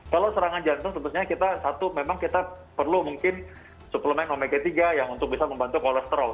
kalau serangan jantung tentunya kita satu memang kita perlu mungkin suplemen omega tiga yang untuk bisa membantu kolesterol